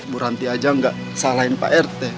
bu ranti aja nggak salahin pak rt